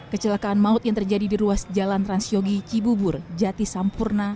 kecelakaan maut yang terjadi di ruas jalan transyogi cibubur jati sampurna